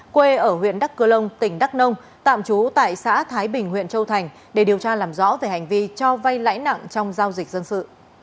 quê ở huyện đắc cơ long tỉnh đắk nông tạm trú tại xã thái bình huyện châu thành để điều tra làm rõ về hành vi cho vay lãi nặng trong giao dịch dân sự